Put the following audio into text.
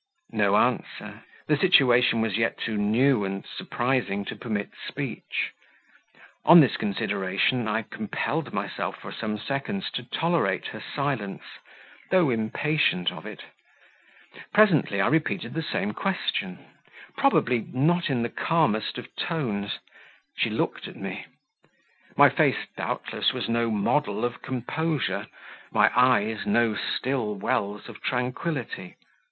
No answer; the situation was yet too new and surprising to permit speech. On this consideration, I compelled myself for some seconds to tolerate her silence, though impatient of it: presently, I repeated the same question probably, not in the calmest of tones; she looked at me; my face, doubtless, was no model of composure, my eyes no still wells of tranquillity.